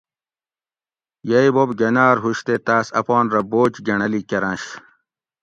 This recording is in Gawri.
یئ بوب گناۤر ہُوش تے تاۤس اپان رہ بوجھ گنڑلی کرنش